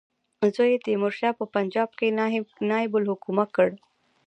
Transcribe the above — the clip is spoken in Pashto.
زوی یې تیمورشاه په پنجاب کې نایب الحکومه کړ.